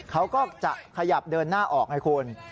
เขาก็จะขยับเดินหน้าออกให้คุณ